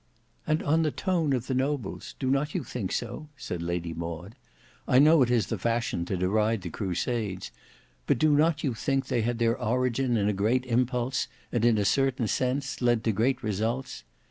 "And on the tone of the Nobles—do not you think so?" said Lady Maud. "I know it is the fashion to deride the crusades, but do not you think they had their origin in a great impulse, and in a certain sense, led to great results?